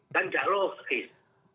dan tidak logis